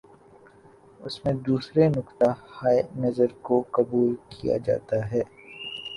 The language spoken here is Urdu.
اس میں دوسرے نقطہ ہائے نظر کو قبول کیا جاتا ہے۔